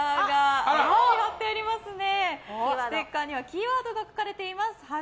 ステッカーにキーワードが書かれていますね。